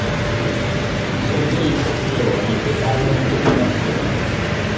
Sono delle chiacchierone e parlano in continuazione.